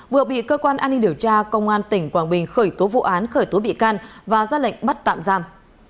vừa bị cơ quan an ninh điều tra công an tỉnh quảng bình khởi tố vụ án khởi tố bị can và ra lệnh bắt tạm giam